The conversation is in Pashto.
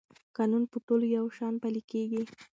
قانون په ټولو یو شان پلی کېږي.